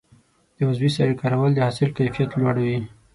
د عضوي سرې کارول د حاصل کیفیت لوړوي.